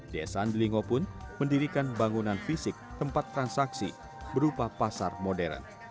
desa andelingo pun mendirikan bangunan fisik tempat transaksi berupa pasar modern